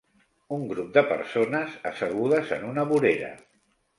Un grup de persones assegudes en una vorera.